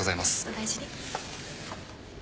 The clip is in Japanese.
お大事に。